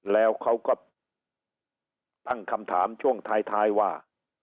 แล้วเขาก็ตั้งคำถามช่วงท้ายว่า